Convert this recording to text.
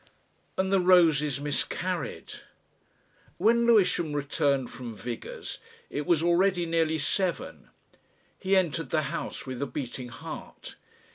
And the roses miscarried! When Lewisham returned from Vigours' it was already nearly seven. He entered the house with a beating heart.